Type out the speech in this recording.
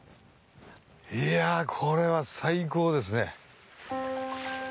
いやこれは最高ですね。